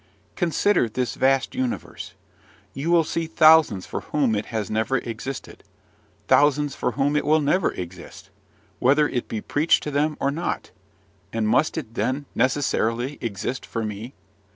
Consider this vast universe: you will see thousands for whom it has never existed, thousands for whom it will never exist, whether it be preached to them, or not; and must it, then, necessarily exist for me?